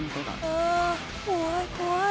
ああ怖い怖い。